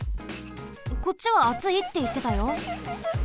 こっちはあついっていってたよ。